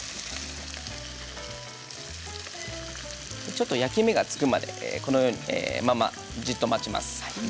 ちょっと焼き目がつくまでこのようにじっと待ちます。